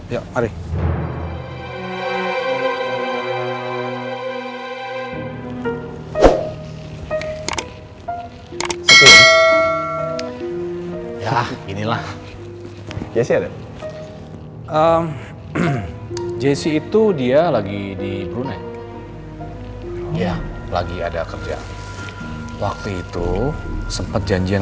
ya inilah jcd jc itu dia lagi di brunei ya lagi ada kerja waktu itu sempet janjian